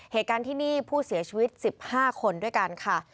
เหตุการณ์ที่นี่ผู้เสียชีวิต๑๕คนด้วยกันค่ะ